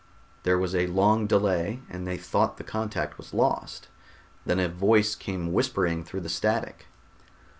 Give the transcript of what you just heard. There was a long delay and they thought the contact was lost. Then a voice came whispering through the static.